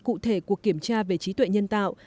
cụ thể cuộc kiểm tra về trí tuệ nhân tạo